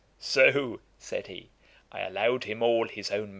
'So (said he,) I allowed him all his own merit.'